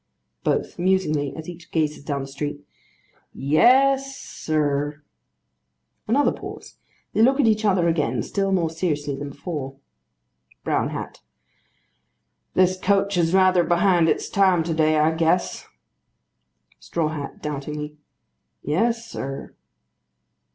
BOTH. (Musingly, as each gazes down the street.) Yes, sir. Another pause. They look at each other again, still more seriously than before. BROWN HAT. This coach is rather behind its time to day, I guess. STRAW HAT. (Doubtingly.) Yes, sir.